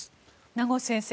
名越先生